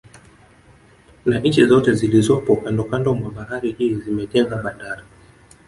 Na nchi zote zilizopo kandokando mwa bahari hii zimejenga bandari